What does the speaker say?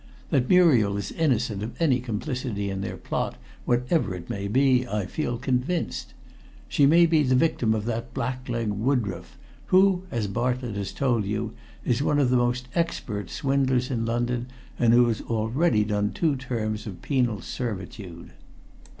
That Muriel is innocent of any complicity in their plot, whatever it may be, I feel convinced. She may be the victim of that blackleg Woodroffe, who, as Bartlett has told you, is one of the most expert swindlers in London, and who has already done two terms of penal servitude."